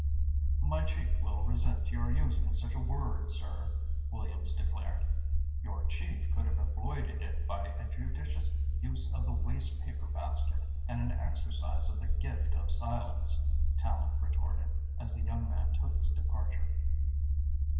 "My Chief will resent your using such a word, sir," Williams declared. "Your Chief could have avoided it by a judicious use of the waste paper basket and an exercise of the gift of silence." Tallente retorted, as the young man took his departure.